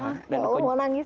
hah kalau lo mau nangis